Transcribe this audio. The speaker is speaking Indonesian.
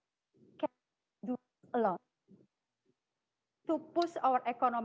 tetapi jika anda melihat grup orang